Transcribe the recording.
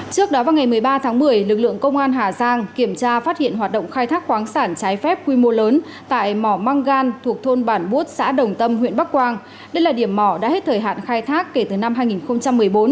trước đó vào ngày một mươi ba tháng một mươi lực lượng công an hà giang kiểm tra phát hiện hoạt động khai thác khoáng sản trái phép quy mô lớn tại mỏ măng gan thuộc thôn bản bút xã đồng tâm huyện bắc quang đây là điểm mỏ đã hết thời hạn khai thác kể từ năm hai nghìn một mươi bốn